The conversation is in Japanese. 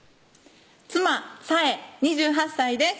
妻・紗慧２８歳です